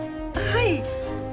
はい。